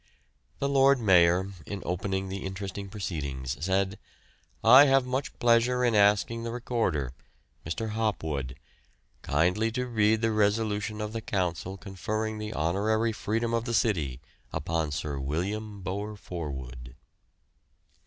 "The Lord Mayor, in opening the interesting proceedings said: I have much pleasure in asking the Recorder, Mr. Hopwood, kindly to read the resolution of the Council conferring the honorary freedom of the city upon Sir William Bower Forwood.